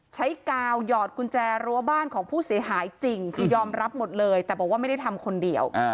กาวหยอดกุญแจรั้วบ้านของผู้เสียหายจริงคือยอมรับหมดเลยแต่บอกว่าไม่ได้ทำคนเดียว